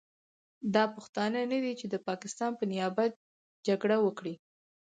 دا پښتانه نه دي چې د پاکستان په نیابت جګړه وکړي.